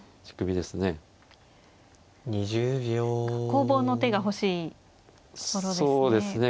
攻防の手が欲しいところですね。